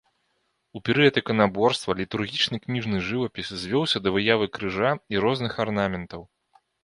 У перыяд іканаборства літургічны кніжны жывапіс звёўся да выявы крыжа і розных арнаментаў.